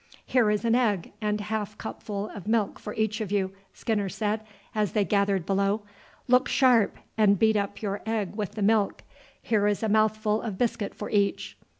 "Here is an egg and half cupful of milk for each of you," Skinner said as they gathered below. "Look sharp and beat up your egg with the milk. Here is a mouthful of biscuit for each.